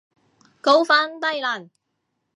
高分低能